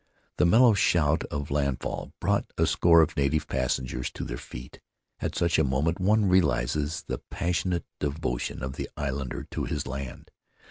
The mellow shout of landfall brought a score of native passengers to their feet; at such a moment one realizes the passionate devotion of the islander to his land.